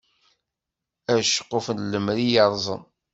Aceqquf n lemri yerẓen.